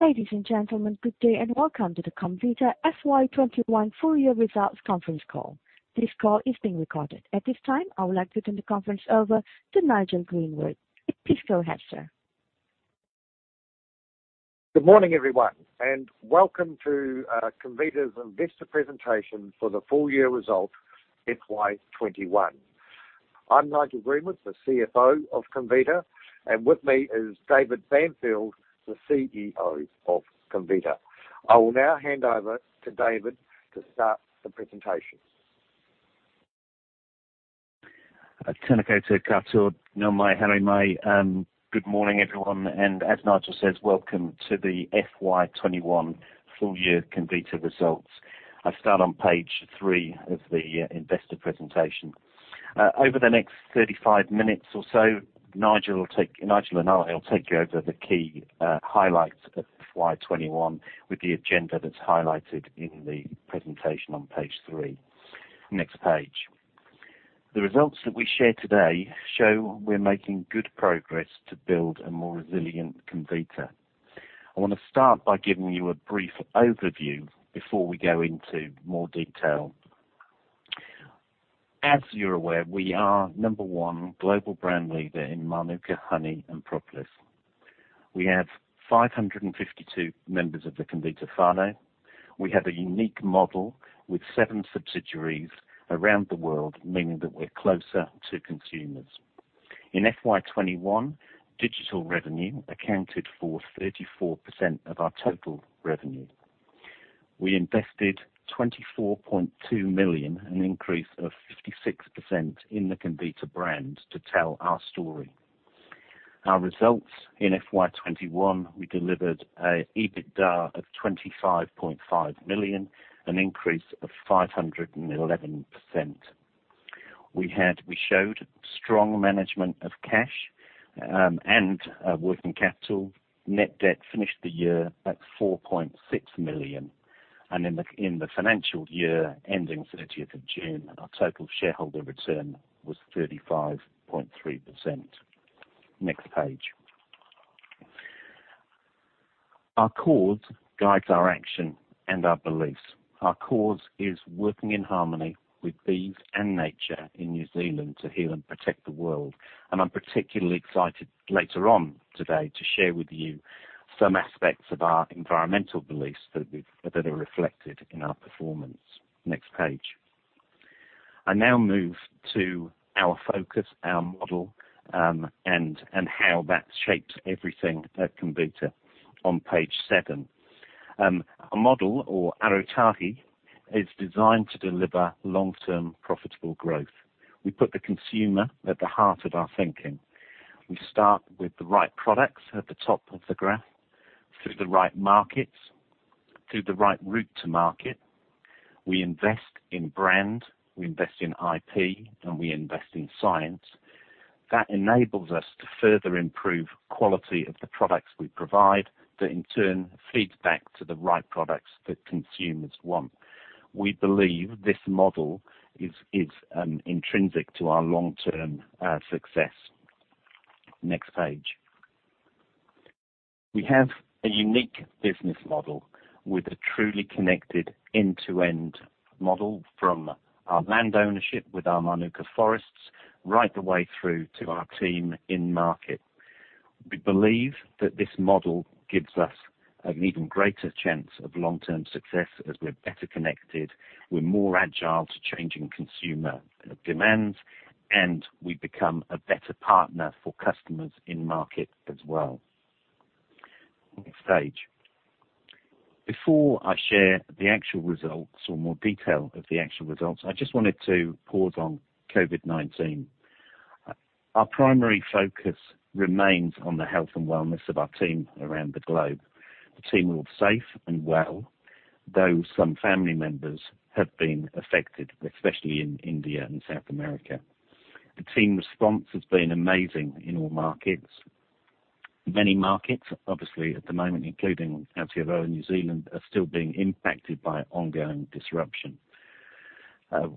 Ladies and gentlemen, good day and welcome to the Comvita FY 2021 full year results conference call. This call is being recorded. At this time, I would like to turn the conference over to Nigel Greenwood. Please go ahead, sir. Good morning, everyone, and welcome to Comvita's investor presentation for the full year results FY 2021. I'm Nigel Greenwood, the CFO of Comvita, and with me is David Banfield, the CEO of Comvita. I will now hand over to David to start the presentation. Good morning, everyone, as Nigel says, welcome to the FY 2021 full year Comvita results. I start on page three of the investor presentation. Over the next 35 minutes or so, Nigel and I will take you over the key highlights of FY 2021 with the agenda that's highlighted in the presentation on page three. Next page. The results that we share today show we're making good progress to build a more resilient Comvita. I want to start by giving you a brief overview before we go into more detail. As you're aware, we are number one global brand leader in Mānuka honey and propolis. We have 552 members of the Comvita Whānau. We have a unique model with seven subsidiaries around the world, meaning that we're closer to consumers. In FY 2021, digital revenue accounted for 34% of our total revenue. We invested 24.2 million, an increase of 56% in the Comvita brand to tell our story. Our results in FY 2021, we delivered an EBITDA of 25.5 million, an increase of 511%. We showed strong management of cash and working capital. Net debt finished the year at 4.6 million. In the financial year ending 30th of June, our total shareholder return was 35.3%. Next page. Our cause guides our action and our beliefs. Our cause is working in harmony with bees and nature in New Zealand to heal and protect the world. I'm particularly excited later on today to share with you some aspects of our environmental beliefs that are reflected in our performance. Next page. I now move to our focus, our model, and how that shapes everything at Comvita on page seven. Our model or Arotahi, is designed to deliver long-term profitable growth. We put the consumer at the heart of our thinking. We start with the right products at the top of the graph, through the right markets, through the right route to market. We invest in brand, we invest in IP, and we invest in science. That enables us to further improve quality of the products we provide, that in turn feeds back to the right products that consumers want. We believe this model is intrinsic to our long-term success. Next page. We have a unique business model with a truly connected end-to-end model from our land ownership with our Mānuka forests right the way through to our team in market. We believe that this model gives us an even greater chance of long-term success as we're better connected, we're more agile to changing consumer demands, and we become a better partner for customers in market as well. Next page. Before I share the actual results or more detail of the actual results, I just wanted to pause on COVID-19. Our primary focus remains on the health and wellness of our team around the globe. The team are all safe and well, though some family members have been affected, especially in India and South America. The team response has been amazing in all markets. Many markets, obviously at the moment, including Aotearoa, New Zealand, are still being impacted by ongoing disruption.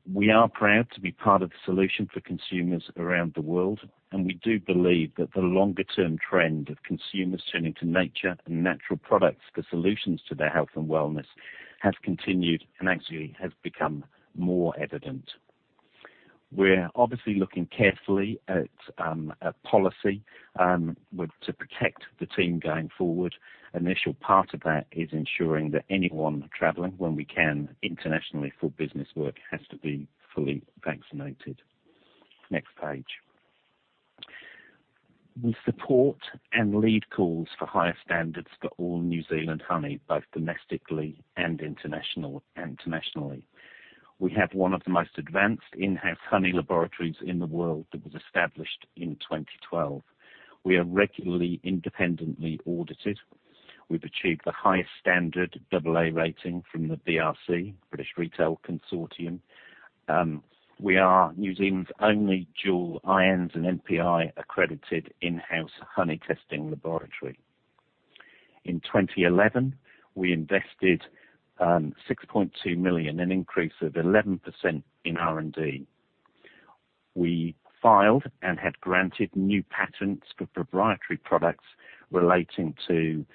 We are proud to be part of the solution for consumers around the world. We do believe that the longer-term trend of consumers turning to nature and natural products for solutions to their health and wellness has continued and actually has become more evident. We're obviously looking carefully at policy to protect the team going forward. Initial part of that is ensuring that anyone traveling, when we can internationally for business work, has to be fully vaccinated. Next page. We support and lead calls for higher standards for all New Zealand honey, both domestically and internationally. We have one of the most advanced in-house honey laboratories in the world that was established in 2012. We are regularly independently audited. We've achieved the highest standard, AA rating from the BRC, British Retail Consortium. We are New Zealand's only dual IANZ and MPI accredited in-house honey testing laboratory. In 2011, we invested 6.2 million, an increase of 11% in R&D. We filed and had granted new patents for proprietary products relating to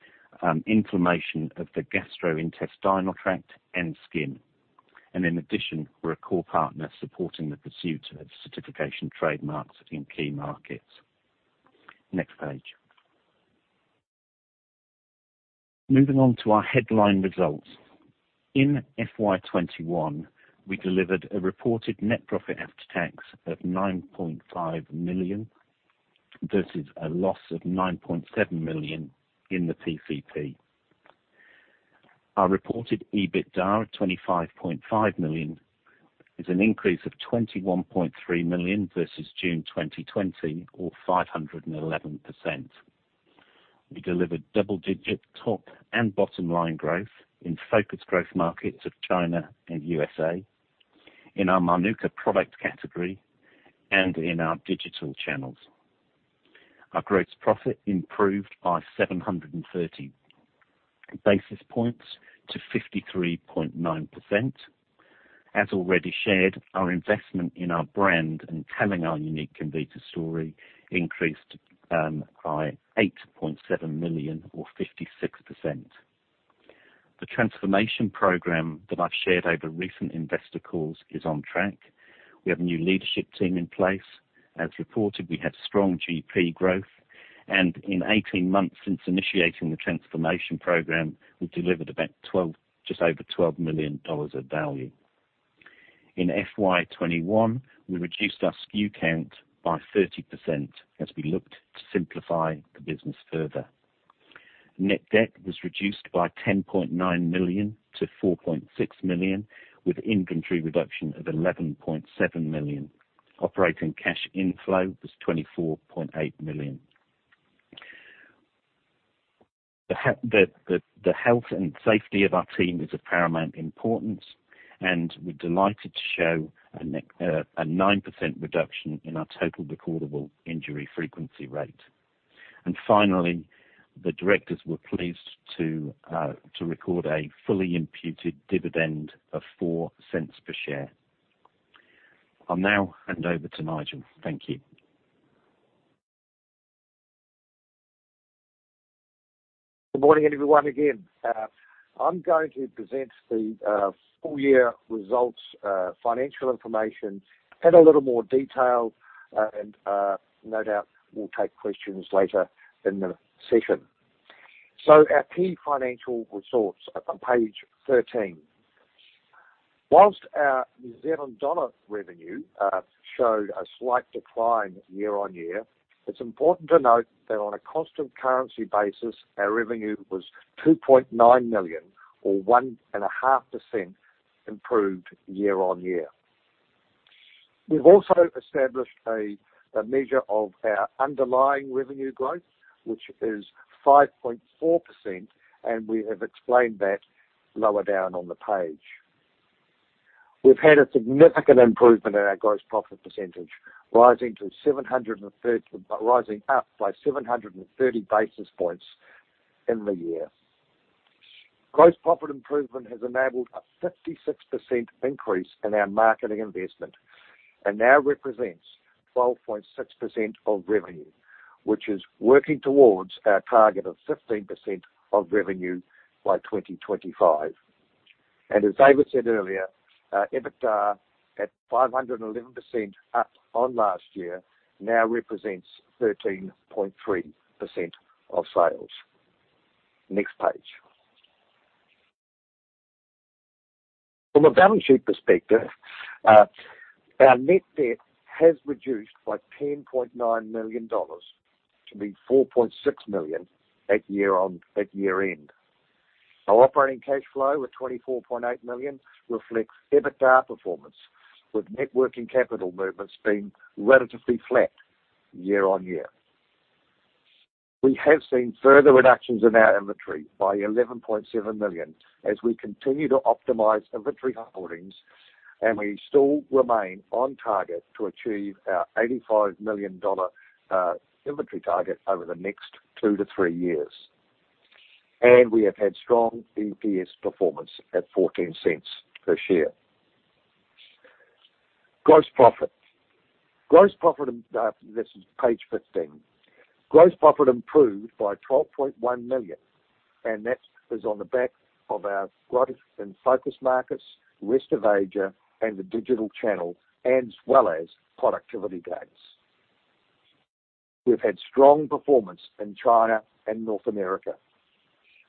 inflammation of the gastrointestinal tract and skin. In addition, we're a core partner supporting the pursuit of certification trademarks in key markets. Next page. Moving on to our headline results. In FY 2021, we delivered a reported net profit after tax of 9.5 million versus a loss of 9.7 million in the PCP. Our reported EBITDA of 25.5 million is an increase of 21.3 million versus June 2020 or 511%. We delivered double-digit top and bottom-line growth in focused growth markets of China and USA, in our Mānuka product category, and in our digital channels. Our gross profit improved by 730 basis points to 53.9%. As already shared, our investment in our brand and telling our unique Comvita story increased by 8.7 million or 56%. The transformation program that I've shared over recent investor calls is on track. We have a new leadership team in place. As reported, we have strong GP growth, and in 18 months since initiating the transformation program, we've delivered just over 12 million dollars of value. In FY 2021, we reduced our SKU count by 30% as we looked to simplify the business further. Net debt was reduced by 10.9 million-4.6 million, with inventory reduction of 11.7 million. Operating cash inflow was 24.8 million. The health and safety of our team is of paramount importance, and we're delighted to show a 9% reduction in our total recordable injury frequency rate. Finally, the directors were pleased to record a fully imputed dividend of 0.04 per share. I'll now hand over to Nigel. Thank you. Good morning, everyone, again. I'm going to present the full-year results, financial information in a little more detail, and no doubt we'll take questions later in the session. Our key financial results are on page 13. Whilst our New Zealand dollar revenue showed a slight decline year-on-year, it's important to note that on a constant currency basis, our revenue was 2.9 million or 1.5% improved year on year. We've also established a measure of our underlying revenue growth, which is 5.4%, and we have explained that lower down on the page. We've had a significant improvement in our gross profit percentage, rising up by 730 basis points in the year. Gross profit improvement has enabled a 56% increase in our marketing investment and now represents 12.6% of revenue, which is working towards our target of 15% of revenue by 2025. As David said earlier, EBITDA at 511% up year-on-year, now represents 13.3% of sales. Next page. From a balance sheet perspective, our net debt has reduced by 10.9 million dollars to be 4.6 million at year-end. Our operating cash flow of 24.8 million reflects EBITDA performance, with net working capital movements being relatively flat year-on-year. We have seen further reductions in our inventory by 11.7 million as we continue to optimize inventory holdings, and we still remain on target to achieve our NZD 85 million inventory target over the next two to three years. We have had strong EPS performance at 0.14 per share. Gross profit. This is page 15. Gross profit improved by 12.1 million, and that is on the back of our growth in focus markets, rest of Asia and the digital channel, as well as productivity gains. We've had strong performance in China and North America,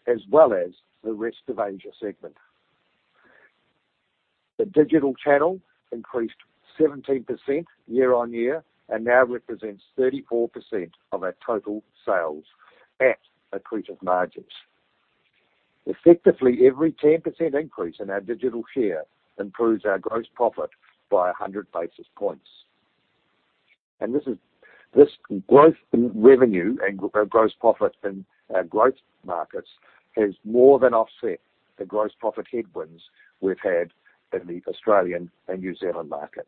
as well as the rest of Asia segment. The digital channel increased 17% year-on-year and now represents 34% of our total sales at accretive margins. Effectively, every 10% increase in our digital share improves our gross profit by 100 basis points. This growth in revenue and gross profit in our growth markets has more than offset the gross profit headwinds we've had in the Australian and New Zealand market.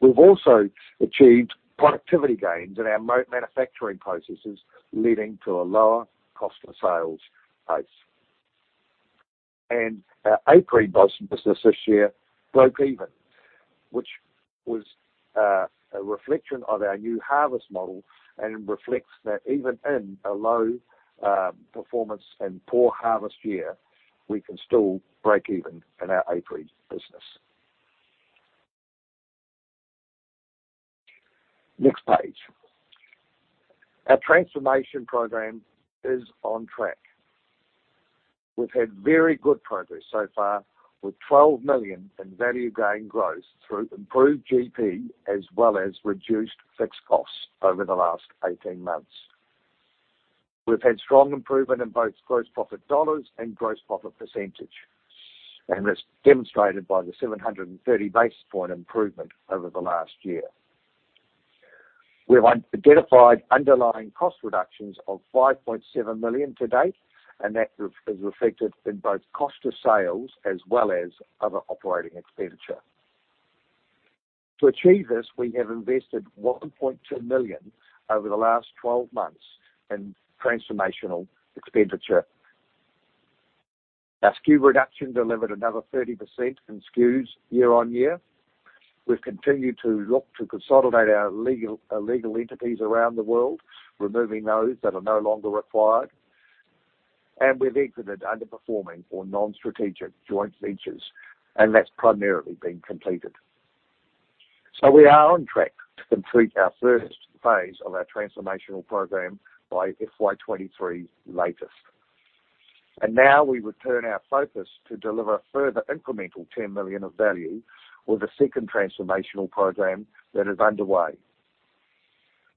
We've also achieved productivity gains in our manufacturing processes, leading to a lower cost of sales base. Our apiary business this year broke even, which was a reflection of our new harvest model and reflects that even in a low performance and poor harvest year, we can still break even in our apiary business. Next page. Our transformation program is on track. We've had very good progress so far, with 12 million in value gain growth through improved GP, as well as reduced fixed costs over the last 18 months. We've had strong improvement in both gross profit dollars and gross profit percentage, that's demonstrated by the 730 basis points improvement over the last year. We have identified underlying cost reductions of 5.7 million to date, that is reflected in both cost of sales as well as other operating expenditure. To achieve this, we have invested 1.2 million over the last 12 months in transformational expenditure. Our SKU reduction delivered another 30% in SKUs year-on-year. We've continued to look to consolidate our legal entities around the world, removing those that are no longer required. We've exited underperforming or non-strategic joint ventures, that's primarily been completed. We are on track to complete our first phase of our transformational program by FY 2023 latest. Now we would turn our focus to deliver a further incremental 10 million of value with a second transformational program that is underway.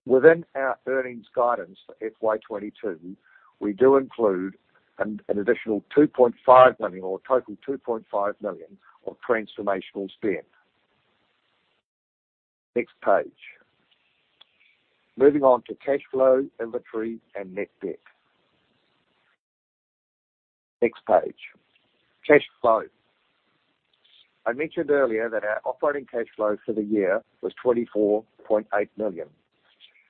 Within our earnings guidance for FY 2022, we do include an additional 2.5 million or a total 2.5 million of transformational spend. Next page. Moving on to cash flow, inventory and net debt. Next page. Cash flow. I mentioned earlier that our operating cash flow for the year was 24.8 million,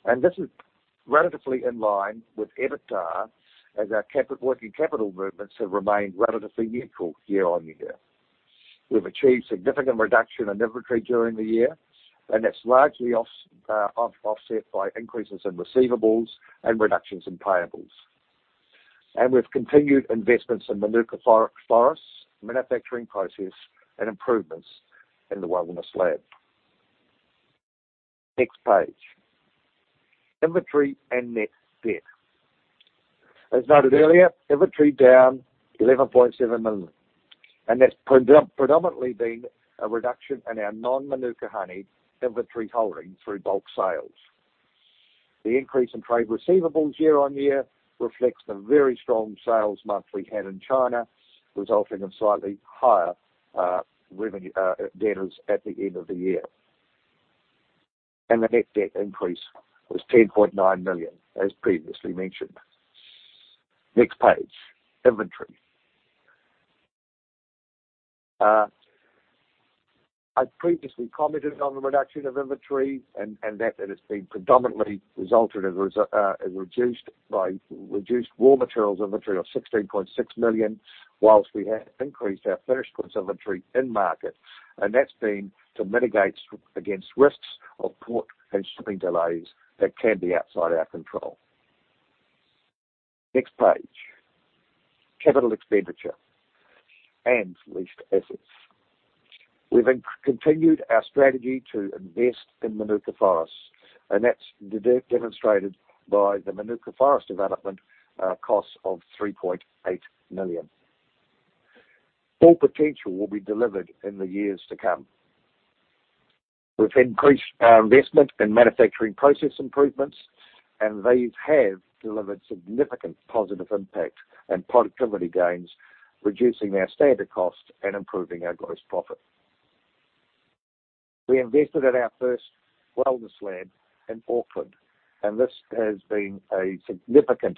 and this is relatively in line with EBITDA as our working capital movements have remained relatively neutral year on year. We've achieved significant reduction in inventory during the year, and that's largely offset by increases in receivables and reductions in payables. We've continued investments in Mānuka forests, manufacturing process, and improvements in the wellness lab. Next page. Inventory and net debt. As noted earlier, inventory down 11.7 million, and that's predominantly been a reduction in our non-Mānuka honey inventory holdings through bulk sales. The increase in trade receivables year-on-year reflects the very strong sales month we had in China, resulting in slightly higher debtors at the end of the year. The net debt increase was 10.9 million, as previously mentioned. Next page. Inventory. I previously commented on the reduction of inventory and that it has been predominantly resulted by reduced raw materials inventory of 16.6 million, whilst we have increased our finished goods inventory in market, and that's been to mitigate against risks of port and shipping delays that can be outside our control. Next page. Capital expenditure and leased assets. We've continued our strategy to invest in Mānuka forests, and that's demonstrated by the Mānuka forest development costs of 3.8 million. Full potential will be delivered in the years to come. We've increased our investment in manufacturing process improvements, and these have delivered significant positive impact and productivity gains, reducing our standard cost and improving our gross profit. We invested in our first wellness lab in Auckland, and this has been a significant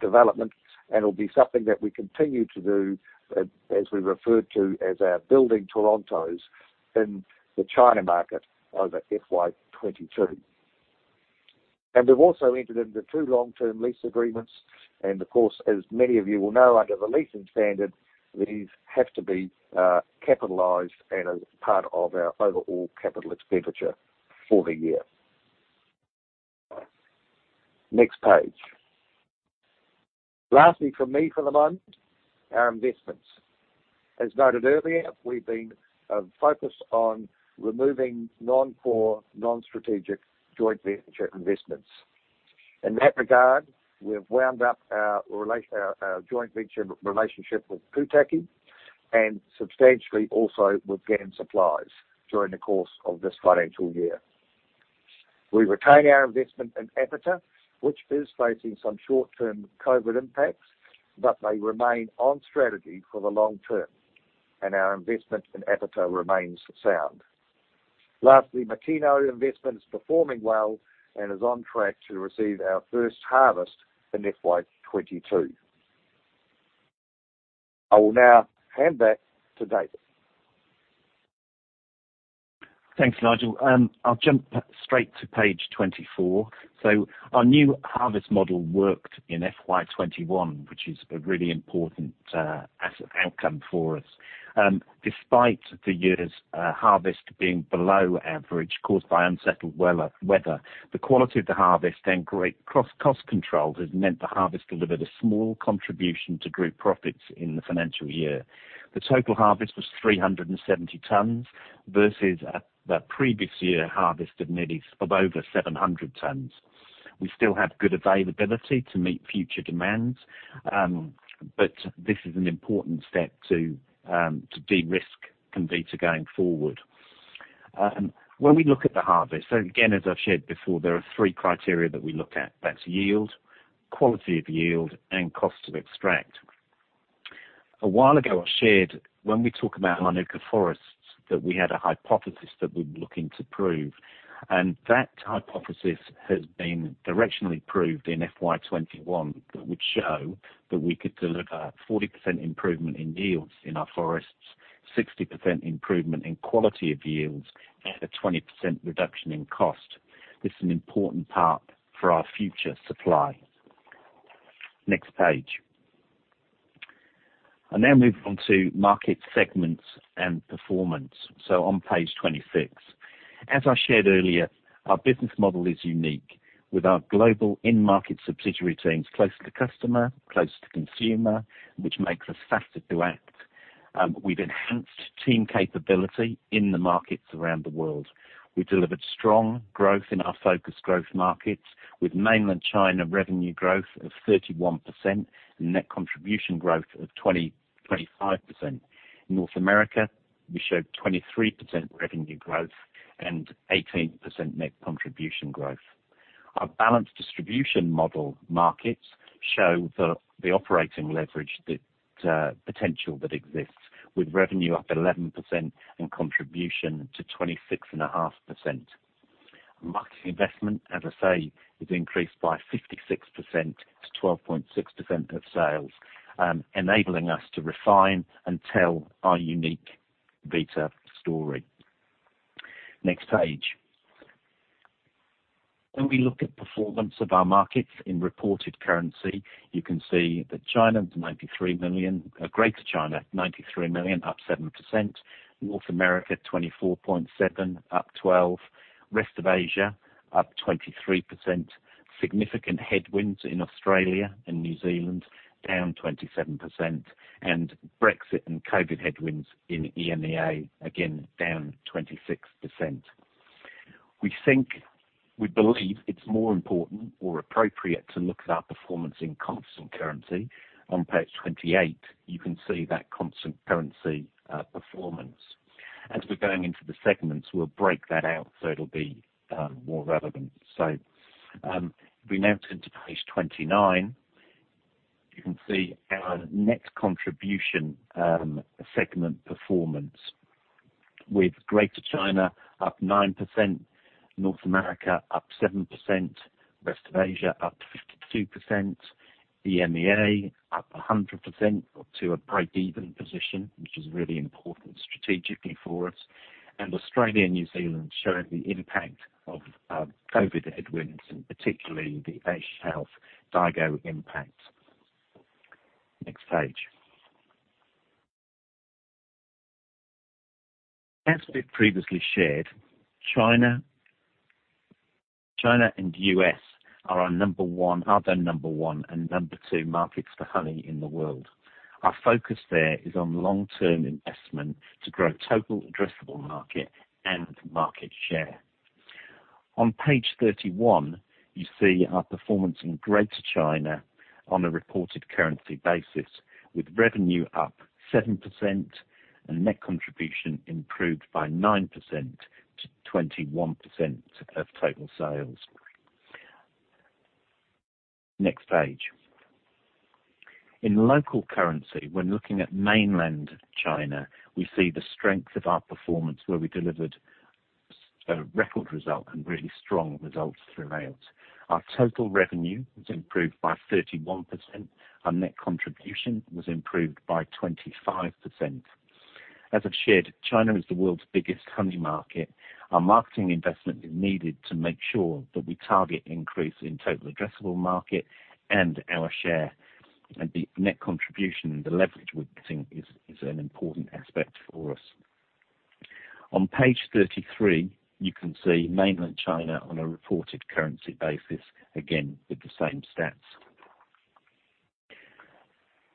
development and will be something that we continue to do as we refer to as our building Toronto's in the China market over FY 2022. We've also entered into two long-term lease agreements, and of course, as many of you will know, under the leasing standard, these have to be capitalized and as part of our overall capital expenditure for the year. Next page. Lastly from me for the month, our investments. As noted earlier, we've been focused on removing non-core, non-strategic joint venture investments. In that regard, we've wound up our joint venture relationship with Putake and substantially also with GAM Supplies during the course of this financial year. We retain our investment in Apiter, which is facing some short-term COVID impacts, but they remain on strategy for the long term, and our investment in Apiter remains sound. Lastly, Makino Investment is performing well and is on track to receive our first harvest in FY 2022. I will now hand back to David. Thanks, Nigel. I'll jump straight to page 24. Our new harvest model worked in FY 2021, which is a really important outcome for us. Despite the year's harvest being below average caused by unsettled weather, the quality of the harvest and great cross-cost controls has meant the harvest delivered a small contribution to group profits in the financial year. The total harvest was 370 tonnes versus the previous year harvest of over 700 tonnes. We still have good availability to meet future demands, but this is an important step to de-risk Comvita going forward. When we look at the harvest, again, as I've shared before, there are three criteria that we look at. That's yield, quality of yield, and cost to extract. A while ago, I shared, when we talk about Mānuka forests, that we had a hypothesis that we're looking to prove, and that hypothesis has been directionally proved in FY 2021. That would show that we could deliver 40% improvement in yields in our forests, 60% improvement in quality of yields, and a 20% reduction in cost. This is an important part for our future supply. Next page. I now move on to market segments and performance, so on page 26. As I shared earlier, our business model is unique, with our global in-market subsidiary teams close to customer, close to consumer, which makes us faster to act. We've enhanced team capability in the markets around the world. We delivered strong growth in our focused growth markets with Mainland China revenue growth of 31% and net contribution growth of 25%. In North America, we showed 23% revenue growth and 18% net contribution growth. Our balanced distribution model markets show the operating leverage potential that exists with revenue up 11% and contribution to 26.5%. Marketing investment, as I say, is increased by 56%-12.6% of sales, enabling us to refine and tell our unique B Corp story. Next page. When we look at performance of our markets in reported currency, you can see that China is 93 million, Greater China, 93 million, up 7%. North America, 24.7 million, up 12%. Rest of Asia, up 23%. Significant headwinds in Australia and New Zealand, down 27%. Brexit and COVID headwinds in EMEA, again, down 26%. We believe it's more important or appropriate to look at our performance in constant currency. On page 28, you can see that constant currency performance. As we're going into the segments, we'll break that out so it'll be more relevant. If we now turn to page 29, you can see our net contribution segment performance with Greater China up 9%, North America up 7%, rest of Asia up 52%, EMEA up 100% to a break-even position, which is really important strategically for us. Australia and New Zealand showing the impact of COVID headwinds and particularly the S health Daigou impact. Next page. As we previously shared, China and U.S. are our number one and number two markets for honey in the world. Our focus there is on long-term investment to grow total addressable market and market share. On page 31, you see our performance in Greater China on a reported currency basis with revenue up 7% and net contribution improved by 9%-21% of total sales. Next page. In local currency, when looking at Mainland China, we see the strength of our performance where we delivered a record result and really strong results throughout. Our total revenue was improved by 31%. Our net contribution was improved by 25%. As I've shared, China is the world's biggest honey market. Our marketing investment is needed to make sure that we target increase in total addressable market and our share and the net contribution and the leverage we're getting is an important aspect for us. On page 33, you can see Mainland China on a reported currency basis, again, with the same stats.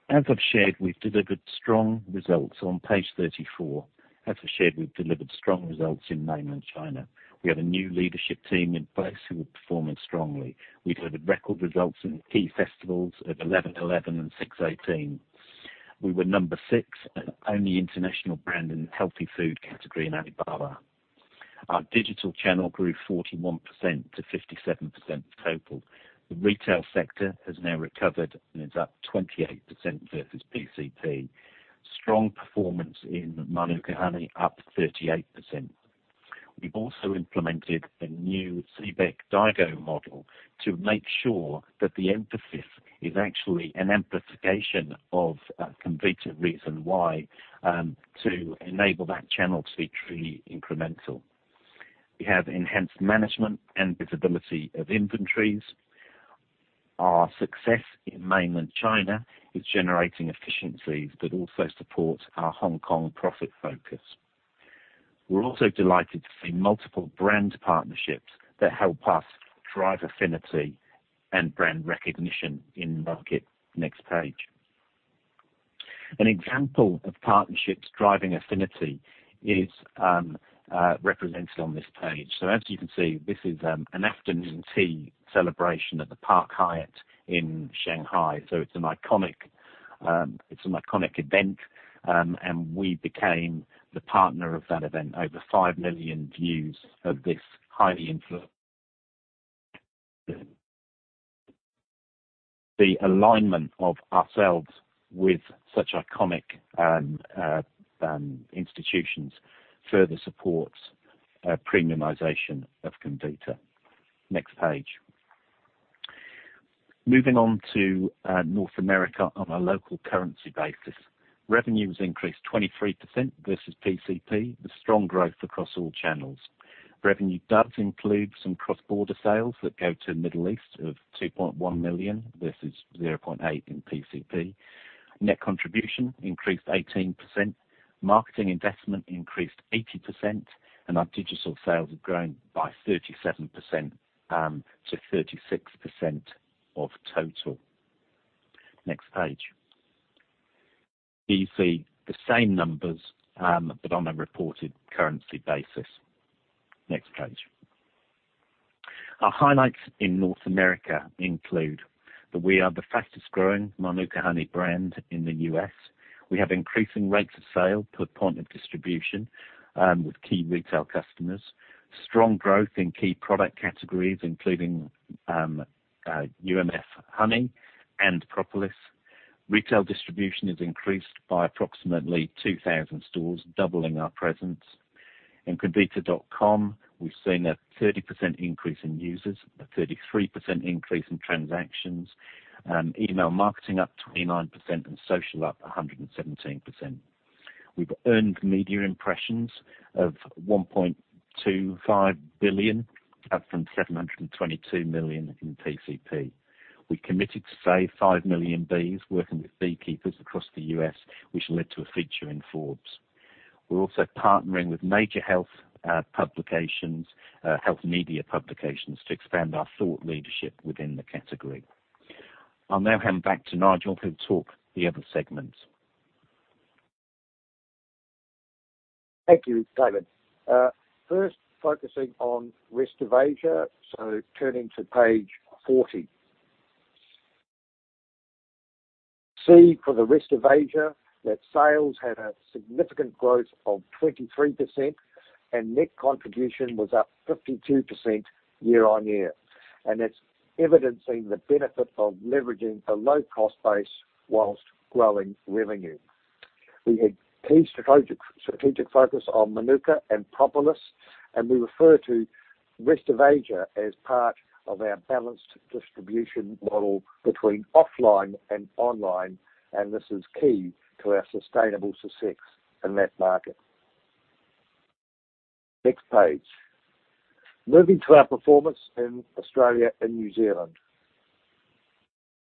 As I've shared, we've delivered strong results on page 34. As I've shared, we've delivered strong results in Mainland China. We have a new leadership team in place who are performing strongly. We delivered record results in key festivals of 11.11 and 618. We were number six and only international brand in healthy food category in Alibaba. Our digital channel grew 41%-57% of total. The retail sector has now recovered and is up 28% versus PCP. Strong performance in Mānuka honey up 38%. We've also implemented a new CBEC Daigou model to make sure that the emphasis is actually an amplification of Comvita reason why to enable that channel to be truly incremental. We have enhanced management and visibility of inventories. Our success in mainland China is generating efficiencies that also support our Hong Kong profit focus. We're also delighted to see multiple brand partnerships that help us drive affinity and brand recognition in market. Next page. An example of partnerships driving affinity is represented on this page. As you can see, this is an afternoon tea celebration at the Park Hyatt in Shanghai. It's an iconic event, and we became the partner of that event. Over five million views of this highly influential the alignment of ourselves with such iconic institutions further supports premiumization of Comvita. Next page. Moving on to North America on a local currency basis. Revenue has increased 23% versus PCP, with strong growth across all channels. Revenue does include some cross-border sales that go to Middle East of 2.1 million versus 0.8 million in PCP. Net contribution increased 18%, marketing investment increased 80%, and our digital sales have grown by 37%-36% of total. Next page. Here you see the same numbers, but on a reported currency basis. Next page. Our highlights in North America include that we are the fastest growing Mānuka honey brand in the U.S. We have increasing rates of sale per point of distribution with key retail customers. Strong growth in key product categories, including UMF honey and propolis. Retail distribution has increased by approximately 2,000 stores, doubling our presence. In comvita.com, we've seen a 30% increase in users, a 33% increase in transactions, email marketing up 29%, and social up 117%. We've earned media impressions of 1.25 billion, up from 722 million in PCP. We committed to save five million bees working with beekeepers across the U.S., which led to a feature in Forbes. We're also partnering with major health media publications to expand our thought leadership within the category. I'll now hand back to Nigel, who'll talk the other segments. Thank you, David. First, focusing on rest of Asia, turning to page 40. See for the rest of Asia that sales had a significant growth of 23%. Net contribution was up 52% year on year. It's evidencing the benefit of leveraging the low cost base whilst growing revenue. We had key strategic focus on Mānuka and propolis. We refer to rest of Asia as part of our balanced distribution model between offline and online. This is key to our sustainable success in that market. Next page. Moving to our performance in Australia and New Zealand.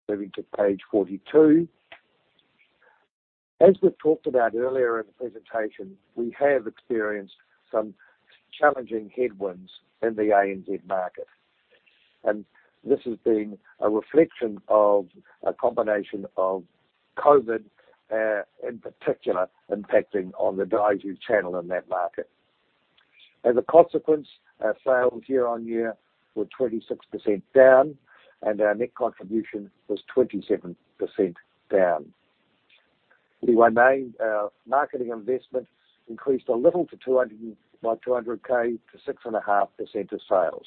Moving to page 42. As we've talked about earlier in the presentation, we have experienced some challenging headwinds in the ANZ market. This has been a reflection of a combination of COVID, in particular, impacting on the Daigou channel in that market. Our sales year-over-year were 26% down, and our net contribution was 27% down. Our marketing investment increased a little by 200,000 to 6.5% of sales.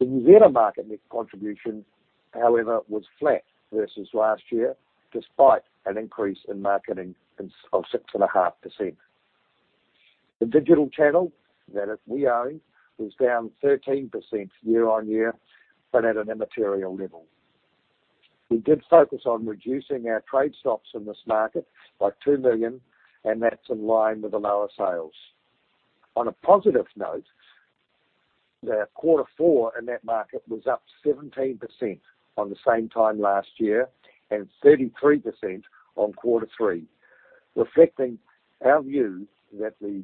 The New Zealand market net contribution, however, was flat versus last year, despite an increase in marketing of 6.5%. The digital channel that we own was down 13% year-over-year, but at an immaterial level. We did focus on reducing our trade stocks in this market by 2 million, and that's in line with the lower sales. On a positive note, the quarter four in that market was up 17% on the same time last year and 33% on quarter three, reflecting our view that the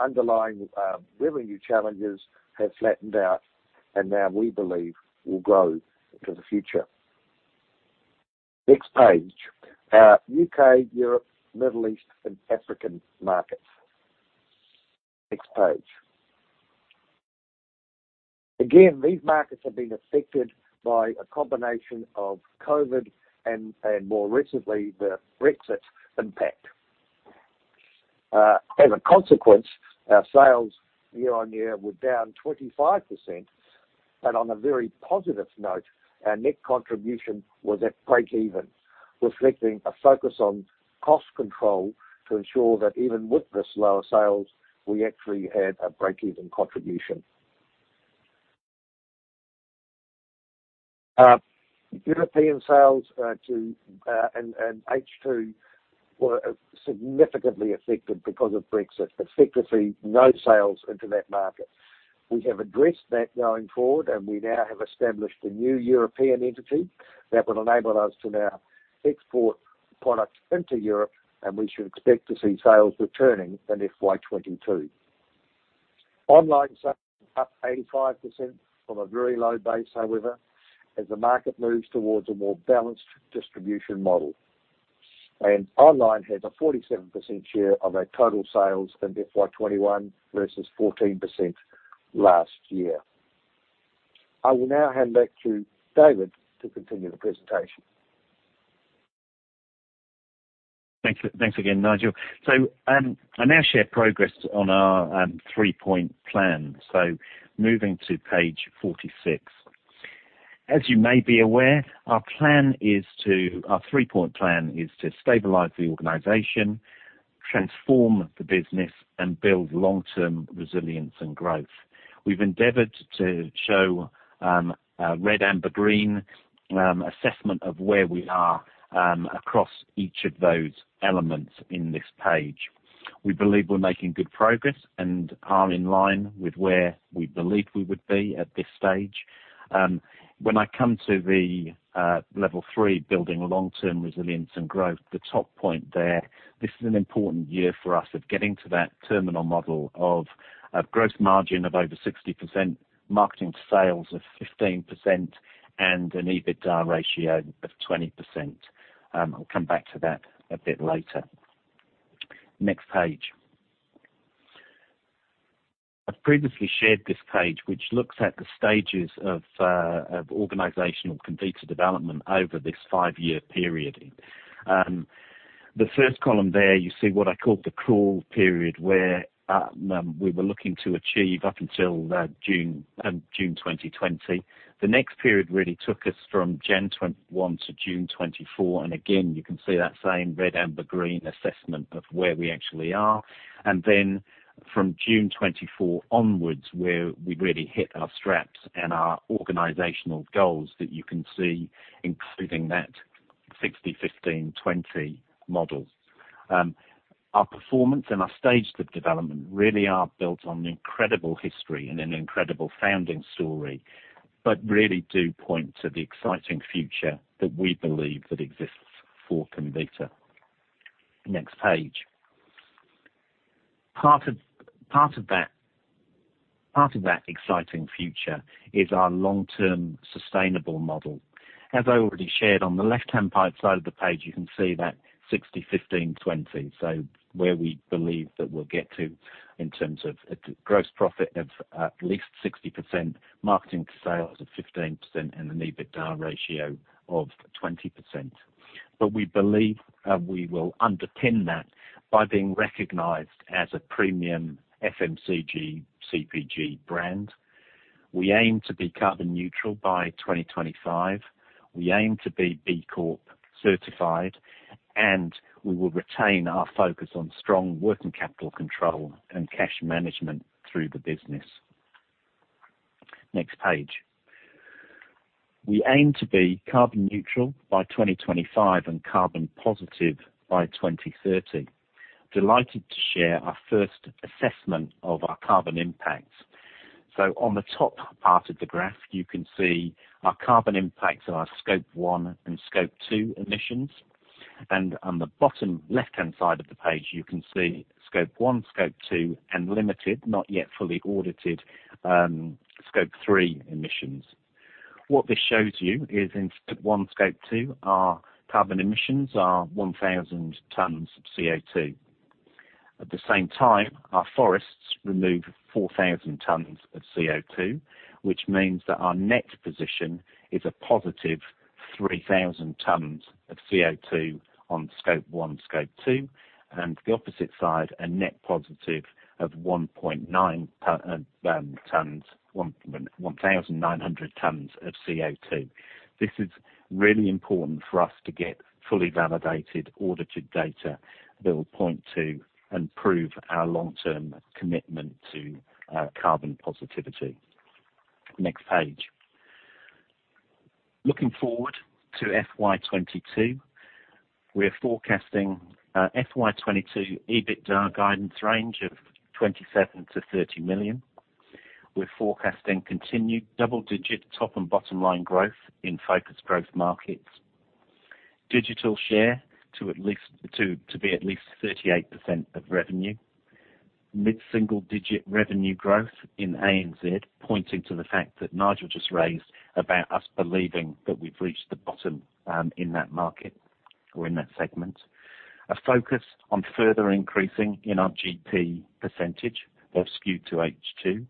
underlying revenue challenges have flattened out and now we believe will grow into the future. Next page. Our U.K., Europe, Middle East, and African markets. Next page. These markets have been affected by a combination of COVID and more recently, the Brexit impact. Our sales year-on-year were down 25%, and on a very positive note, our net contribution was at breakeven, reflecting a focus on cost control to ensure that even with this lower sales, we actually had a breakeven contribution. European sales in H2 were significantly affected because of Brexit. Effectively, no sales into that market. We have addressed that going forward, and we now have established a new European entity that will enable us to now export products into Europe, and we should expect to see sales returning in FY 2022. Online sales are up 85% from a very low base, however, as the market moves towards a more balanced distribution model. Online has a 47% share of our total sales in FY 2021 versus 14% last year. I will now hand back to David to continue the presentation. Thanks again, Nigel. I now share progress on our three-point plan. Moving to page 46. As you may be aware, our three-point plan is to stabilize the organization, transform the business, and build long-term resilience and growth. We've endeavored to show red, amber, green assessment of where we are across each of those elements in this page. We believe we're making good progress and are in line with where we believe we would be at this stage. When I come to the level three, building long-term resilience and growth, the top point there, this is an important year for us of getting to that terminal model of a gross margin of over 60%, marketing to sales of 15%, and an EBITDA ratio of 20%. I'll come back to that a bit later. Next page. I've previously shared this page, which looks at the stages of organizational computer development over this five-year period. The first column there you see what I called the crawl period, where we were looking to achieve up until June 2020. The next period really took us from January 2021 to June 2024, and again, you can see that same red, amber, green assessment of where we actually are. Then from June 2024 onwards, where we really hit our straps and our organizational goals that you can see, including that 60/15/20 model. Our performance and our stage of development really are built on an incredible history and an incredible founding story, really do point to the exciting future that we believe that exists for Comvita. Next page. Part of that exciting future is our long-term sustainable model. As I already shared on the left-hand side of the page, you can see that 60/15/20, where we believe that we'll get to in terms of a gross profit of at least 60%, marketing to sales of 15%, and an EBITDA ratio of 20%. We believe we will underpin that by being recognized as a premium FMCG, CPG brand. We aim to be carbon neutral by 2025. We aim to be B Corp certified, and we will retain our focus on strong working capital control and cash management through the business. Next page. We aim to be carbon neutral by 2025 and carbon positive by 2030. Delighted to share our first assessment of our carbon impact. On the top part of the graph, you can see our carbon impacts on our scope one and scope two emissions. On the bottom left-hand side of the page, you can see scope one, scope two, and limited, not yet fully audited, scope three emissions. What this shows you is in scope one, scope two, our carbon emissions are 1,000 tons of CO2. At the same time, our forests remove 4,000 tons of CO2, which means that our net position is a positive 3,000 tons of CO2 on scope one, scope two, and the opposite side, a net positive of 1,900 tons of CO2. This is really important for us to get fully validated, audited data that will point to and prove our long-term commitment to carbon positivity. Next page. Looking forward to FY 2022, we are forecasting FY 2022 EBITDA guidance range of 27 million-30 million. We're forecasting continued double-digit top and bottom line growth in focus growth markets. Digital share to be at least 38% of revenue. Mid-single digit revenue growth in ANZ, pointing to the fact that Nigel just raised about us believing that we've reached the bottom in that market or in that segment. A focus on further increasing in our GP percentage of SKU to H2.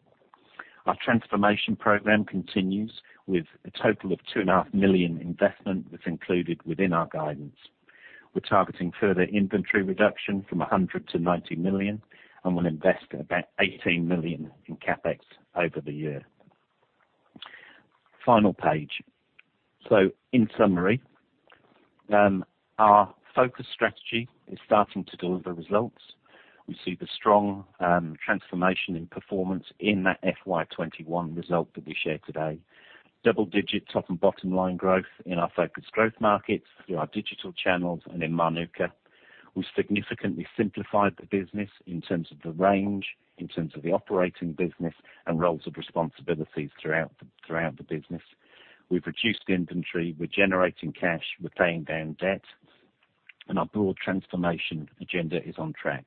Our transformation program continues with a total of 2.5 million investment that's included within our guidance. We're targeting further inventory reduction from 100 million-90 million and will invest about 18 million in CapEx over the year. Final page. In summary, our focus strategy is starting to deliver results. We see the strong transformation in performance in that FY 2021 result that we share today. Double-digit top and bottom line growth in our focused growth markets, through our digital channels and in Mānuka. We significantly simplified the business in terms of the range, in terms of the operating business and roles of responsibilities throughout the business. We've reduced inventory, we're generating cash, we're paying down debt, and our broad transformation agenda is on track.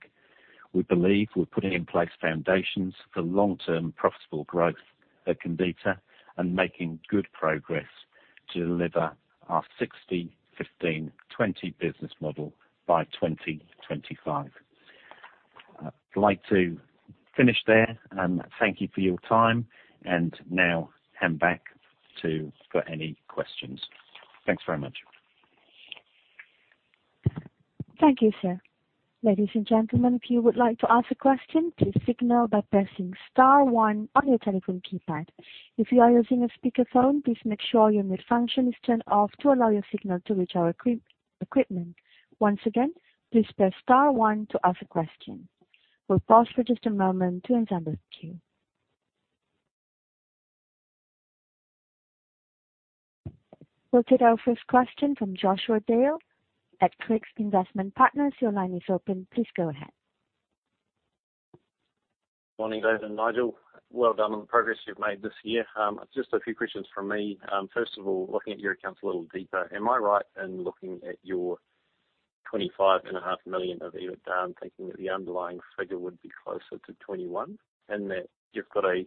We believe we're putting in place foundations for long-term profitable growth at Comvita and making good progress to deliver our 60/15/20 business model by 2025. I'd like to finish there and thank you for your time, and now hand back for any questions. Thanks very much. Thank you, sir. Ladies and gentlemen, if you would like to ask a question, please signal by pressing star one on your telephone keypad. If you are using a speakerphone, please make sure your mute function is turned off to allow your signal to reach our equipment. Once again, please press star one to ask a question. We'll pause for just a moment to enter the queue. We'll take our first question from Joshua Dale at Craigs Investment Partners. Your line is open. Please go ahead. Morning, David and Nigel. Well done on the progress you've made this year. Just a few questions from me. First of all, looking at your accounts a little deeper, am I right in looking at your 25.5 million of EBITDA and thinking that the underlying figure would be closer to 21 million, and that you've got a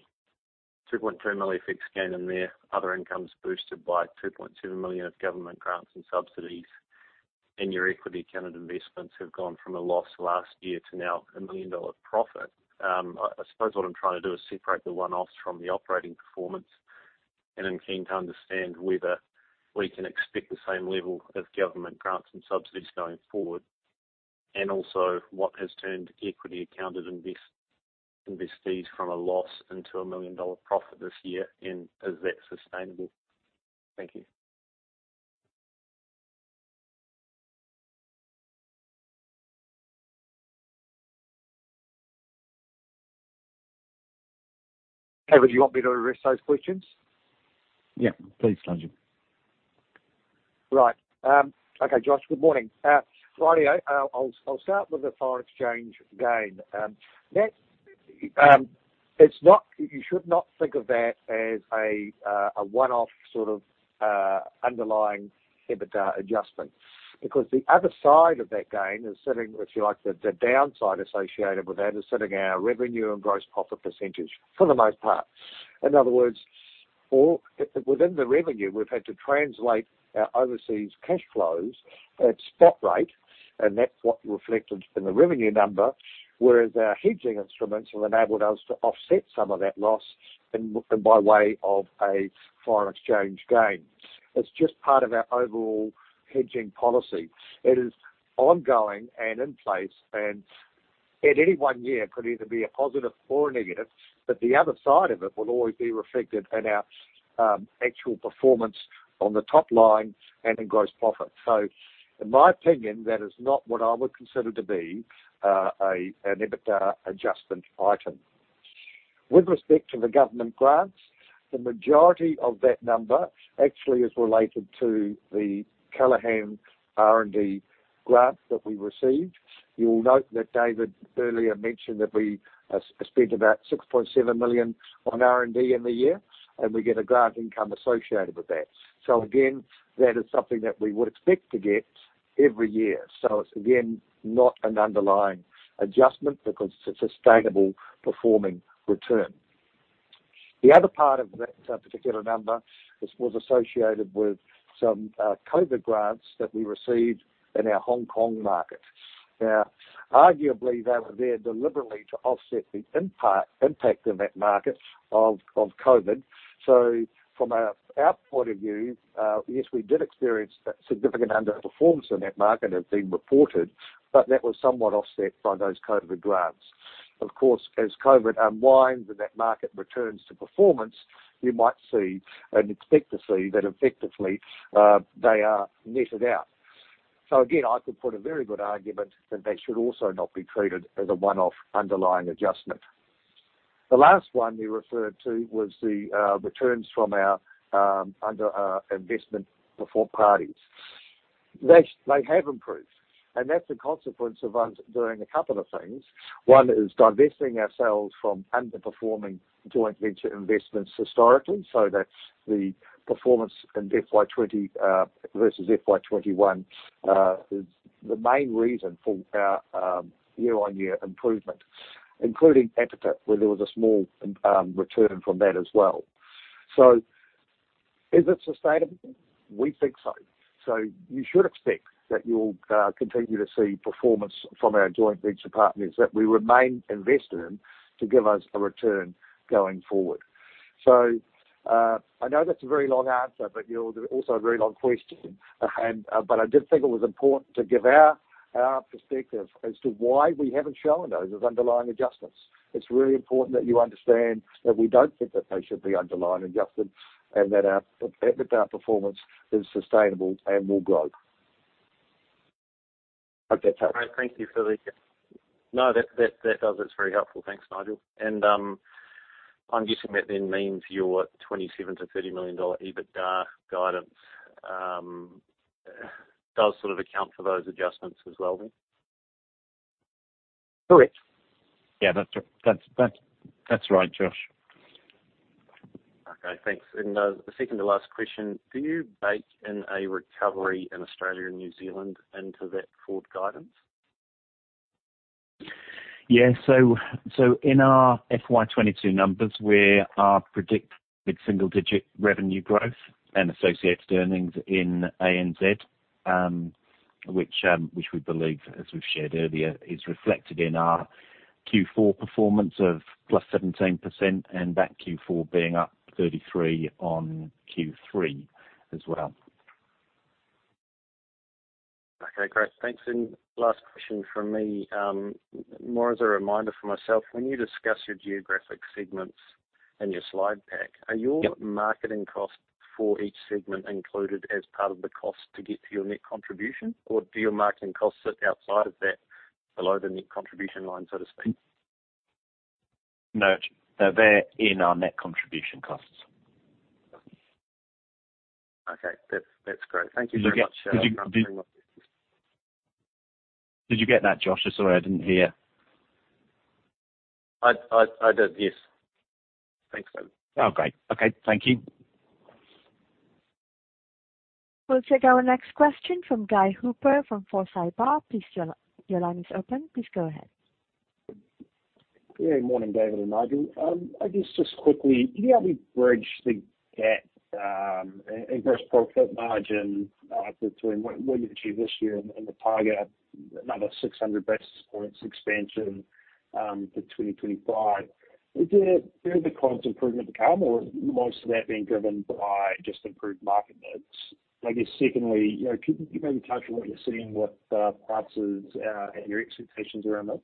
2.3 million FX gain in there, other incomes boosted by 2.2 million of government grants and subsidies, and your equity accounted investments have gone from a loss last year to now a 1 million dollar profit? I suppose what I'm trying to do is separate the one-offs from the operating performance, and I'm keen to understand whether we can expect the same level of government grants and subsidies going forward. Also, what has turned equity accounted investees from a loss into a 1 million dollar profit this year, and is that sustainable? Thank you. David, do you want me to address those questions? Yeah, please, Nigel. Right. Okay, Josh, good morning. Friday, I'll start with the foreign exchange gain. You should not think of that as a one-off underlying EBITDA adjustment, because the other side of that gain is sitting, if you like, the downside associated with that is setting our revenue and gross profit percentage for the most part. In other words, within the revenue, we've had to translate our overseas cash flows at spot rate, and that's what reflected in the revenue number, whereas our hedging instruments have enabled us to offset some of that loss by way of a foreign exchange gain. It's just part of our overall hedging policy. It is ongoing and in place, and at any one year, it could either be a positive or a negative, but the other side of it will always be reflected in our actual performance on the top line and in gross profit. In my opinion, that is not what I would consider to be an EBITDA adjustment item. With respect to the government grants, the majority of that number actually is related to the Callaghan R&D grant that we received. You'll note that David earlier mentioned that we spent about 6.7 million on R&D in the year, and we get a grant income associated with that. Again, that is something that we would expect to get every year. It's again, not an underlying adjustment because it's a sustainable performing return. The other part of that particular number was associated with some COVID grants that we received in our Hong Kong market. Arguably, they were there deliberately to offset the impact in that market of COVID. From our point of view, yes, we did experience that significant underperformance in that market as being reported, but that was somewhat offset by those COVID grants. Of course, as COVID unwinds and that market returns to performance, you might see and expect to see that effectively, they are netted out. Again, I could put a very good argument that they should also not be treated as a one-off underlying adjustment. The last one you referred to was the returns from our under investment before parties. They have improved, and that's a consequence of us doing a couple of things. One is divesting ourselves from underperforming joint venture investments historically. That's the performance in FY 2020 versus FY 2021 is the main reason for our year-on-year improvement, including Apiter, where there was a small return from that as well. Is it sustainable? We think so. You should expect that you'll continue to see performance from our joint venture partners that we remain invested in to give us a return going forward. I know that's a very long answer, but also a very long question. I did think it was important to give our perspective as to why we haven't shown those as underlying adjustments. It's really important that you understand that we don't think that they should be underlying adjustments and that our EBITDA performance is sustainable and will grow. Okay, great. No, that does. That's very helpful. Thanks, Nigel. I'm guessing that then means your 27 million-30 million dollar EBITDA guidance does sort of account for those adjustments as well then? Correct. Yeah, that's right, Josh. Okay, thanks. The second to last question, do you bake in a recovery in Australia and New Zealand into that forward guidance? In our FY 2022 numbers, we are predicting mid-single-digit revenue growth and associated earnings in ANZ, which we believe, as we've shared earlier, is reflected in our Q4 performance of +17%, and that Q4 being up 33% on Q3 as well. Okay, great. Thanks. Last question from me, more as a reminder for myself. When you discuss your geographic segments in your slide pack. Are your marketing costs for each segment included as part of the cost to get to your net contribution? Or do your marketing costs sit outside of that, below the net contribution line, so to speak? No. They're in our net contribution costs. Okay. That's great. Thank you very much. Did you get that, Josh? I sorry, I didn't hear. I did, yes. Thanks. Oh, great. Okay. Thank you. We'll take our next question from Guy Hooper from Forsyth Barr. Your line is open. Please go ahead. Morning, David and Nigel. I guess just quickly, can you help me bridge the gap in gross profit margin between what you achieve this year and the target, another 600 basis points expansion for 2025? Is it further COGS improvement to come or is most of that being driven by just improved market mix? I guess secondly, can you maybe touch on what you're seeing with prices and your expectations around those?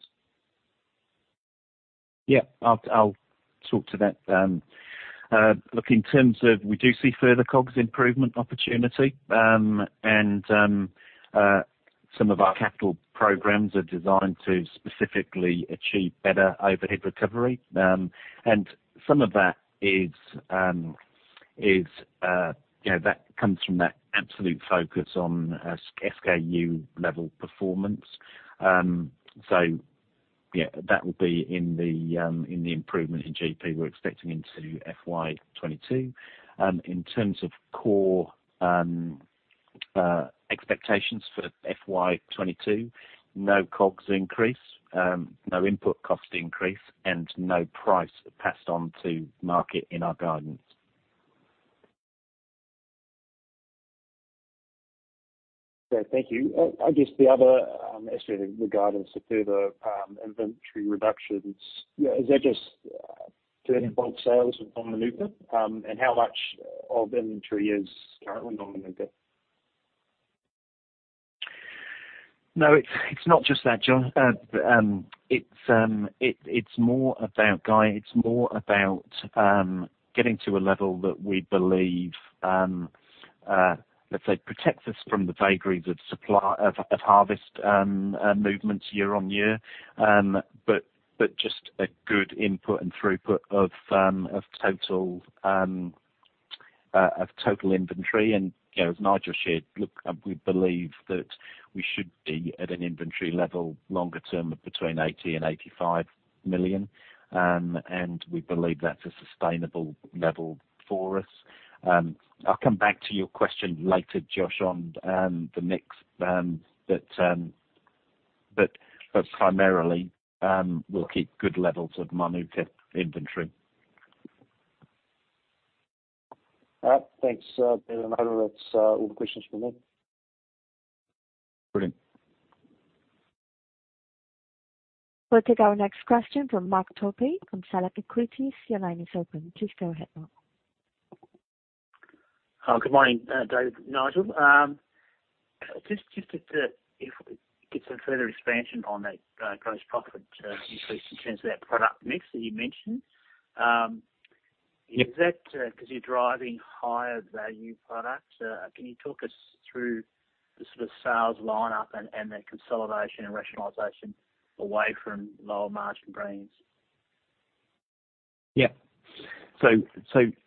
Yeah. I'll talk to that. Look, in terms of we do see further COGS improvement opportunity, and some of our capital programs are designed to specifically achieve better overhead recovery. Some of that comes from that absolute focus on SKU level performance. Yeah, that will be in the improvement in GP we're expecting into FY 2022. In terms of core expectations for FY 2022, no COGS increase, no input cost increase, and no price passed on to market in our guidance. Great. Thank you. I guess the other question regarding some further inventory reductions, is that just turning bulk sales of Mānuka? How much of inventory is currently non-Mānuka? No, it's not just that, Guy. It's more about getting to a level that we believe, let's say, protects us from the vagaries of harvest movements year on year. Just a good input and throughput of total inventory. As Nigel shared, look, we believe that we should be at an inventory level longer term of between 80 million and 85 million. We believe that's a sustainable level for us. I'll come back to your question later, Josh, on the mix. Primarily, we'll keep good levels of Mānuka inventory. All right. Thanks, David and Nigel. That's all the questions from me. Brilliant. We'll take our next question from Mark Topy from Select Equities. Your line is open. Please go ahead, Mark. Good morning, David, Nigel. If we could get some further expansion on that gross profit increase in terms of that product mix that you mentioned. Is that because you're driving higher value product? Can you talk us through the sort of sales line-up and the consolidation and rationalization away from lower margin brands? Yeah.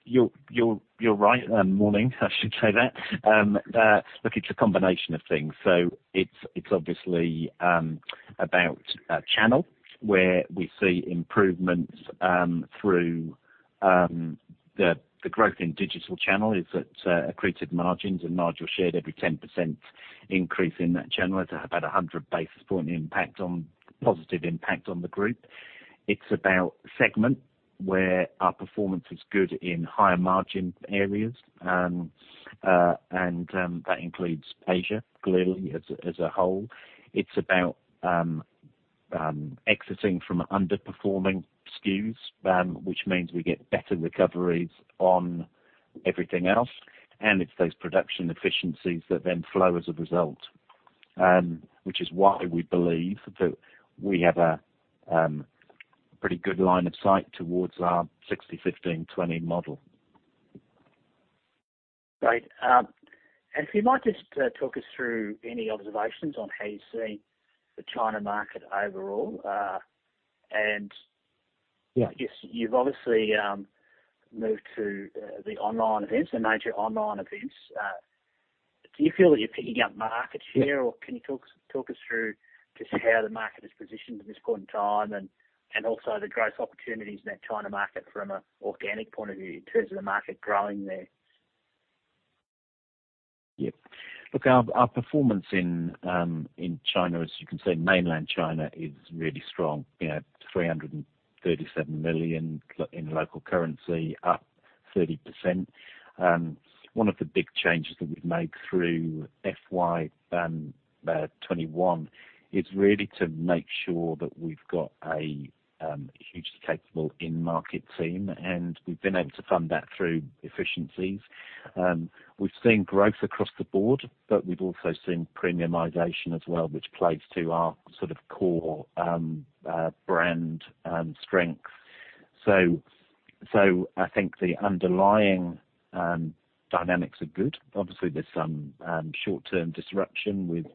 You're right. Morning, I should say that. Look, it's a combination of things. It's obviously about channel, where we see improvements through the growth in digital channel is that accreted margins, Nigel shared every 10% increase in that channel is about 100 basis point positive impact on the group. It's about segment, where our performance is good in higher margin areas. That includes Asia globally as a whole. It's about exiting from underperforming SKUs, which means we get better recoveries on everything else. It's those production efficiencies that then flow as a result, which is why we believe that we have a pretty good line of sight towards our 60/15/20 model. Great. If you might just talk us through any observations on how you see the China market overall. Yeah. You've obviously moved to the online events, the major online events. Do you feel that you're picking up market share, or can you talk us through just how the market is positioned at this point in time and also the growth opportunities in that China market from an organic point of view in terms of the market growing there? Yep. Look, our performance in China, as you can see, mainland China is really strong. 337 million in local currency, up 30%. One of the big changes that we've made through FY 2021 is really to make sure that we've got a hugely capable in-market team, and we've been able to fund that through efficiencies. We've seen growth across the board, but we've also seen premiumization as well, which plays to our sort of core brand strength. I think the underlying dynamics are good. Obviously, there's some short-term disruption with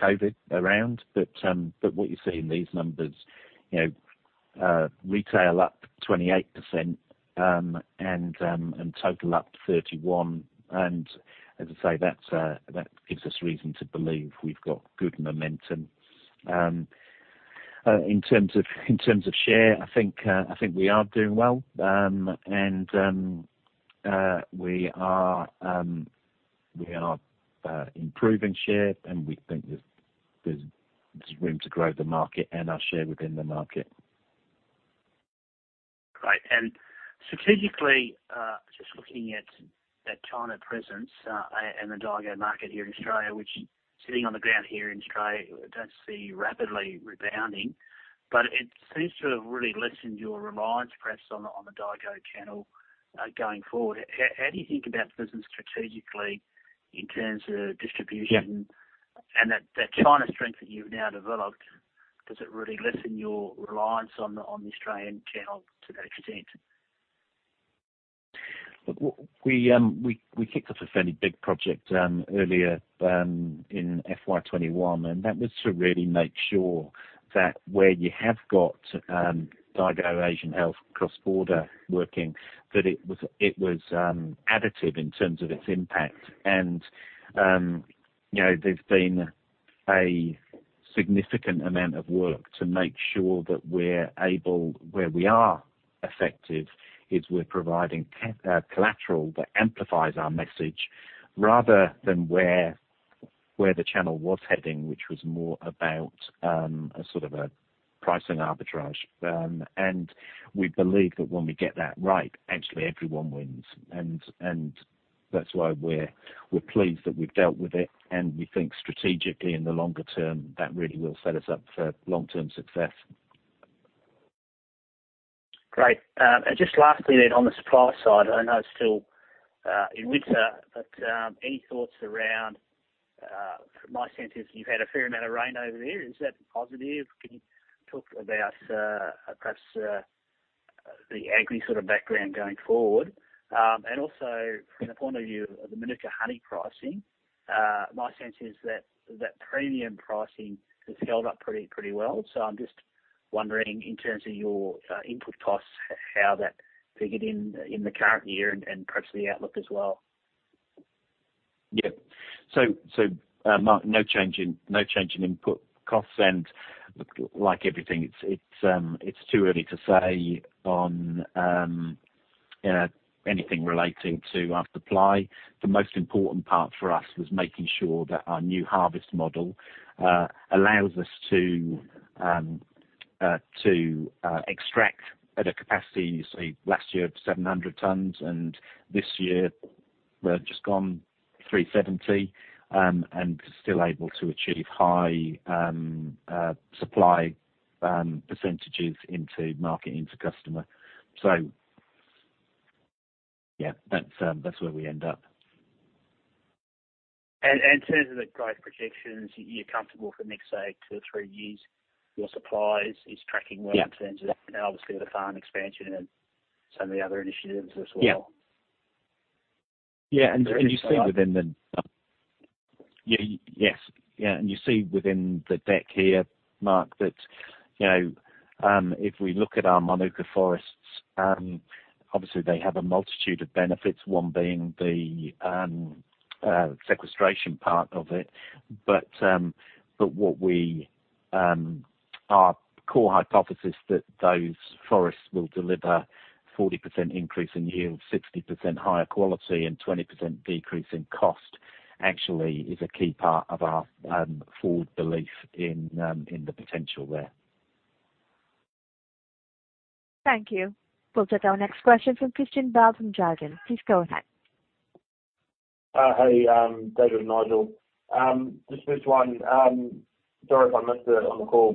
COVID around. What you see in these numbers, retail up 28% and total up 31%. As I say, that gives us reason to believe we've got good momentum. In terms of share, I think we are doing well. We are improving share, and we think there's room to grow the market and our share within the market. Great. Strategically, just looking at that China presence, and the Daigou market here in Australia, which sitting on the ground here in Australia, don't see rapidly rebounding, but it seems to have really lessened your reliance perhaps on the Daigou channel, going forward. How do you think about the business strategically in terms of distribution? Yeah. That China strength that you've now developed, does it really lessen your reliance on the Australian channel to that extent? Look, we kicked off a fairly big project earlier in FY 2021. That was to really make sure that where you have got Daigou Asian health cross-border working, that it was additive in terms of its impact. There's been a significant amount of work to make sure that we're able, where we are effective is we're providing collateral that amplifies our message rather than where the channel was heading, which was more about a sort of a pricing arbitrage. We believe that when we get that right, actually everyone wins. That's why we're pleased that we've dealt with it, and we think strategically in the longer term, that really will set us up for long-term success. Great. Just lastly on the supply side, I know it's still in winter, any thoughts around, my sense is you've had a fair amount of rain over there. Is that positive? Can you talk about, perhaps, the agri sort of background going forward? Also from the point of view of the Mānuka honey pricing, my sense is that premium pricing has held up pretty well. I'm just wondering, in terms of your input costs, how that figured in the current year and perhaps the outlook as well. Yeah. Mark, no change in input costs, and like everything, it's too early to say on anything relating to our supply. The most important part for us was making sure that our new harvest model allows us to extract at a capacity, you see last year of 700 tons, and this year we've just gone 370 tons, and still able to achieve high supply percentage into market, into customer. Yeah, that's where we end up. In terms of the growth projections, you're comfortable for the next, say, two or three years, your supply is tracking well? Yeah In terms of obviously the farm expansion and some of the other initiatives as well. Yeah. And you say- You see within the. Yeah. Yes. You see within the deck here, Mark, that if we look at our Mānuka forests, obviously they have a multitude of benefits, one being the sequestration part of it. Our core hypothesis that those forests will deliver 40% increase in yield, 60% higher quality and 20% decrease in cost, actually is a key part of our forward belief in the potential there. Thank you. We'll take our next question from Christian Bell from Jarden. Please go ahead. Hey, David and Nigel. Just first one, sorry if I missed it on the call,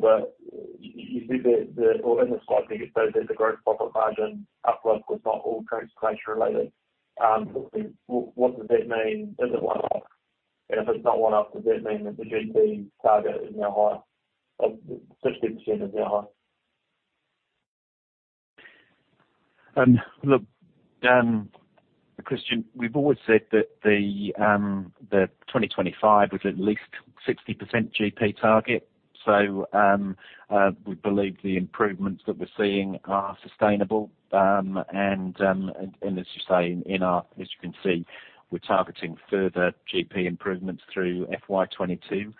you said that, or in the slide, you said that the gross profit margin uplift was not all translation related. What does that mean? Is it one-off? If it's not one-off, does that mean that the GP target is now higher? 60% is now higher? Look, Christian, we've always said that 2025 was at least 60% GP target. We believe the improvements that we're seeing are sustainable. As you say, as you can see, we're targeting further GP improvements through FY 2022.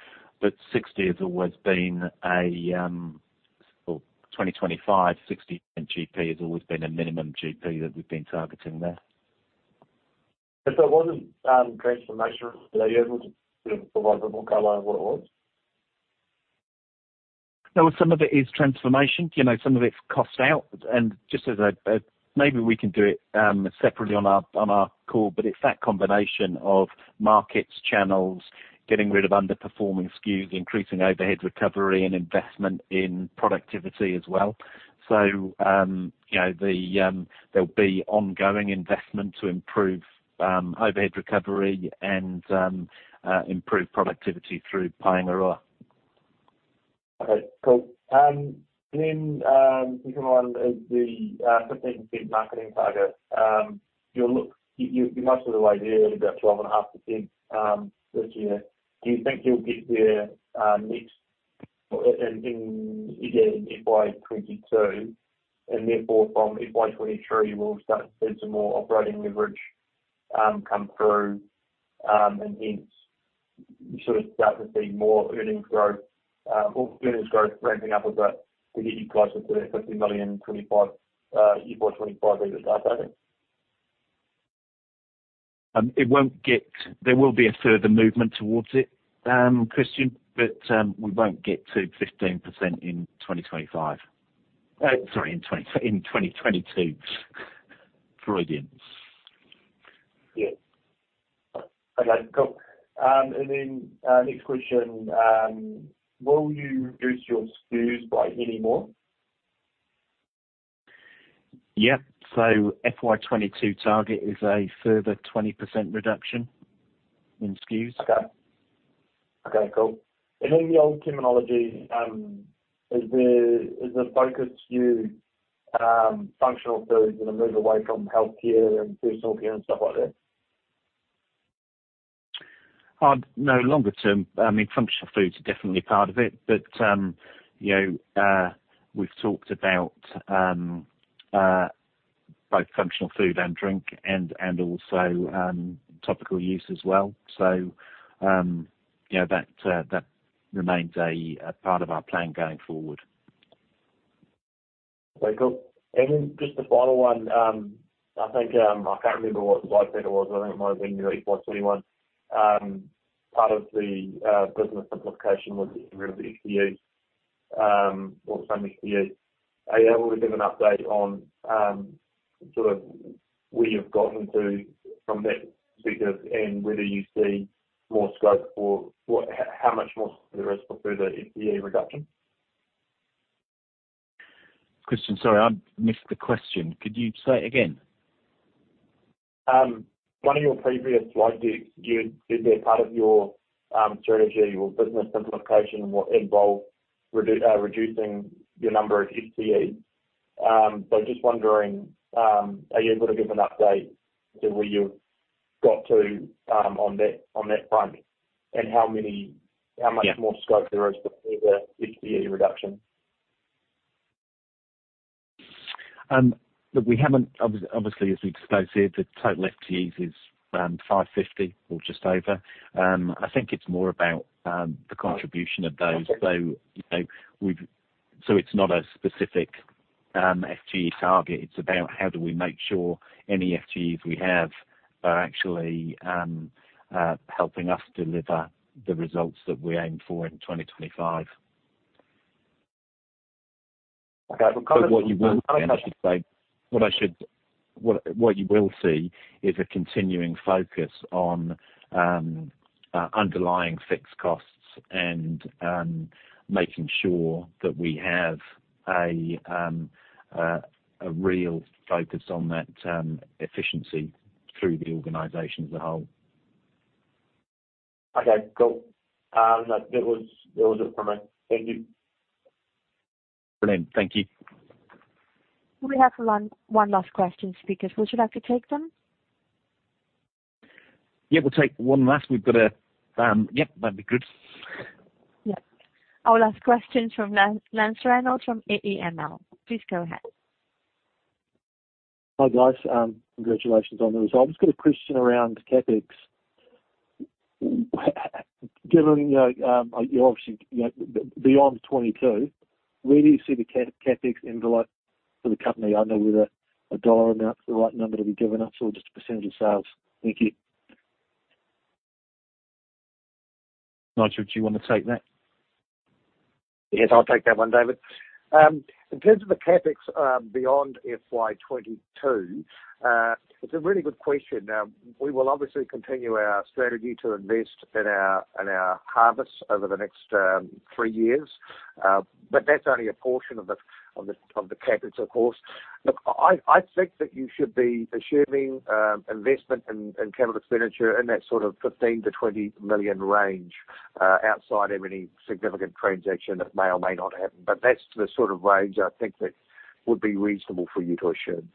2025, 60% in GP has always been a minimum GP that we've been targeting there. If that wasn't transformation related, would you be able to provide a ballpark line of what it was? No. Some of it is transformation. Some of it's cost out. Maybe we can do it separately on our call, but it's that combination of markets, channels, getting rid of underperforming SKUs, increasing overhead recovery, and investment in productivity as well. There'll be ongoing investment to improve overhead recovery and improve productivity through Paengaroa. Okay. Cool. The second one is the 15% marketing target. You're most of the way there at about 12.5% this year. Do you think you'll get there in FY 2022, therefore from FY 2023, we'll start to see some more operating leverage come through, hence you sort of start to see more earnings growth ramping up a bit to get you closer to the NZD 50 million FY 2025 EBITDA target? There will be a further movement towards it, Christian, but we won't get to 15% in 2025. Sorry, in 2022. Freudian. Yeah. Okay, cool. Next question, will you reduce your SKUs by any more? Yeah. FY 2022 target is a further 20% reduction in SKUs. Okay. Okay, cool. In the old terminology, is the focus SKU functional foods in a move away from healthcare and personal care and stuff like that? No longer term. Functional foods are definitely part of it, but we've talked about both functional food and drink and also topical use as well. That remains a part of our plan going forward. Okay, cool. Just the final one, I can't remember what the slide header was. I think it might've been FY 2021. Part of the business simplification was getting rid of the FTEs or some FTEs. Are you able to give an update on sort of where you've gotten to from that perspective and whether you see more scope or how much more there is for further FTE reduction? Christian, sorry, I missed the question. Could you say it again? One of your previous slides, you said that part of your strategy or business simplification will involve reducing your number of FTEs. Just wondering, are you able to give an update to where you've got to on that front, and how much more scope there is for further FTE reduction? Obviously, as we disclose here, the total FTEs is 550 or just over. I think it's more about the contribution of those. It's not a specific FTE target. It's about how do we make sure any FTEs we have are actually helping us deliver the results that we aim for in 2025. Okay. What you will see is a continuing focus on underlying fixed costs and making sure that we have a real focus on that efficiency through the organization as a whole. Okay, cool. Look, that was it from me. Thank you. Brilliant. Thank you. We have one last question, speakers. Would you like to take them? Yeah, we'll take one last. Yep, that'd be good. Yeah. Our last question's from Lance Reynolds from AEML. Please go ahead. Hi, guys. Congratulations on the results. I've just got a question around CapEx. Given you're obviously beyond 2022, where do you see the CapEx envelope for the company? I don't know whether an NZD amount is the right number to be given us or just a percentage of sales. Thank you. Nigel, do you want to take that? Yes, I'll take that one, David. In terms of the CapEx beyond FY22, it's a really good question. We will obviously continue our strategy to invest in our harvests over the next 3 years. That's only a portion of the CapEx, of course. Look, I think that you should be assuming investment in capital expenditure in that sort of 15 million-20 million range, outside of any significant transaction that may or may not happen. That's the sort of range I think that would be reasonable for you to assume.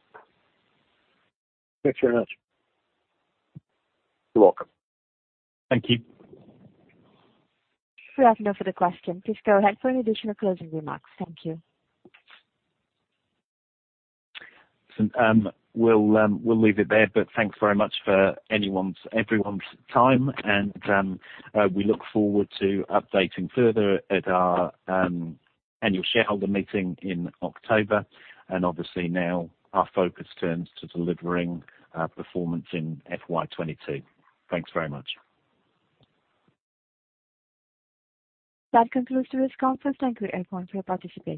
Thanks very much. You're welcome. Thank you. We have no further questions. Please go ahead for any additional closing remarks. Thank you. Listen. We'll leave it there. Thanks very much for everyone's time, and we look forward to updating further at our annual shareholder meeting in October. Obviously now our focus turns to delivering our performance in FY 2022. Thanks very much. That concludes today's conference. Thank you everyone for participating.